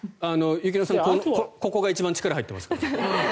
雪乃さん、ここが一番力が入っていますから。